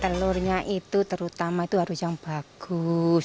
telurnya itu terutama itu harus yang bagus